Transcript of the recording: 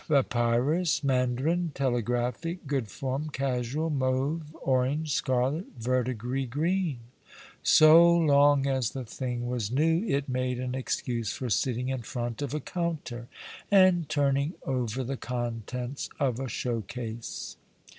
Papyrus, Mandarin, Telegraphic, Good Form, Casual, mauve, orange, scarlet, verdigris green. So long as the thing was new it made an excuse for sitting in front of a counter and turning over the contents of a show case.